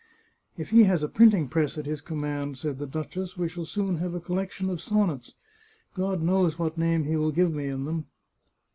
" If he has a printing press at his command," said the duchess, " we shall soon have a collection of sonnets ! God knows what name he will give me in them